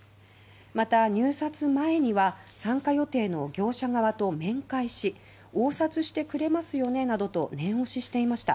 また、入札前には参加予定の業者側と面会し応札してくれますよねなどと念押ししていました。